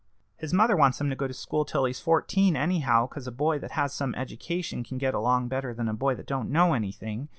His mother wants him to go to school till he's fourteen anyhow, 'cause a boy that has some education can get along better than a boy that don't know anything.